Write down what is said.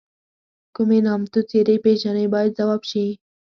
کومې نامتو څېرې پیژنئ باید ځواب شي.